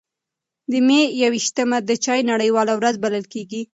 د مې یو ویشتمه د چای نړیواله ورځ بلل کېږي.